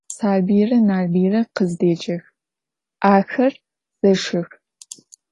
Salbıyre Nalbıyre khızdêcex, axer zeşşıx.